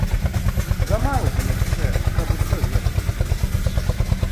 Замалы ты яшчэ, каб усё ведаць.